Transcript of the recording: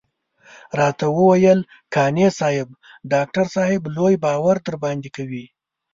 راته وويل قانع صاحب ډاکټر صاحب لوی باور درباندې کوي.